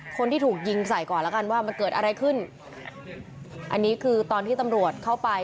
คนที่ถูกยิงใส่ก่อนแล้วกันว่ามันเกิดอะไรขึ้นอันนี้คือตอนที่ตำรวจเข้าไป